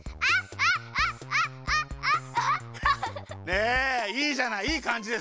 ねえいいじゃないいいかんじです。